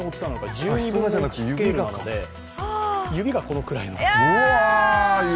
１２分の１のスケールなので指がこのくらいなんです。